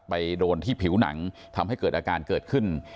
โดนที่ผิวหนังทำให้เกิดอาการเกิดขึ้น